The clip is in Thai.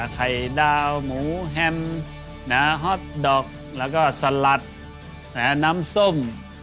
ไข่ดาวหมูแฮมฮอตดอกแล้วก็สลัดน้ำส้ม